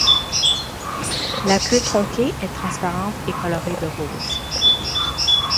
La queue tronquée est transparente et colorée de rose.